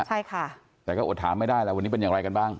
ใช่ค่ะแต่ก็อดถามไม่ได้แล้ววันนี้เป็นอย่างไรกันบ้าง